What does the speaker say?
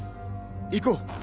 行こう！